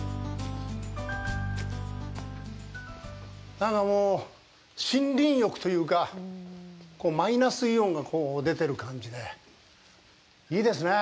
なんかもう、森林浴というかマイナスイオンが出てる感じでいいですね。